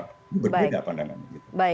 itu berbeda pandangannya